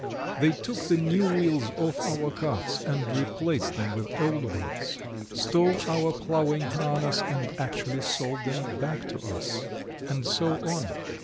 They took the new wheels off our carts and replaced them with old ones, stole our ploughing harness and actually sold them to us, and so on.